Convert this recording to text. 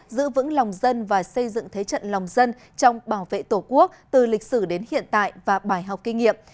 giữ vững lòng dân và xây dựng thế trận lòng dân trong bảo vệ tổ quốc từ lịch sử đến hiện tại và bài học kinh nghiệm